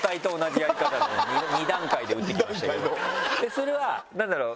それは何だろう？